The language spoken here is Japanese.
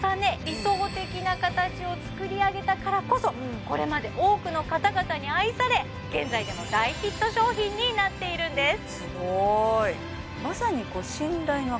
理想的な形を作り上げたからこそこれまで多くの方々に愛され現在でも大ヒット商品になっているんです